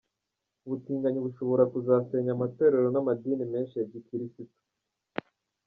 Ubutinganyi bushobora kuzasenya amatorero n’amadini menshi ya gikirisitu.